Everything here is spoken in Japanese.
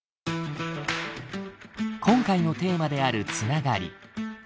今回のテーマである繋がり。